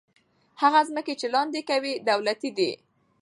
هغه ځمکې چې لاندې کوي، دولتي دي.